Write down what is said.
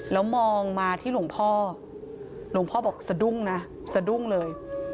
แล้วมองมาที่หลวงพ่อหลวงพ่อบอกสะดุ้งนะสะดุ้งเลย